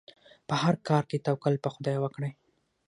په هر کار کې توکل په خدای وکړئ.